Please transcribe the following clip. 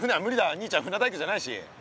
兄ちゃん船大工じゃないし。